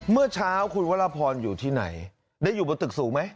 เมื่อเช้าคุณวรพรอยู่ที่ไหนได้อยู่บนตึกสูงไหม